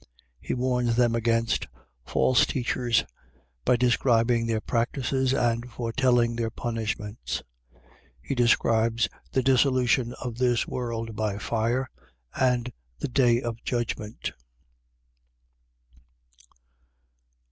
He warns them against false teachers, by describing their practices and foretelling their punishments. He describes the dissolution of this world by fire and the day of judgment.